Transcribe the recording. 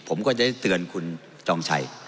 ผมก็จะเตือนท่านจองชัย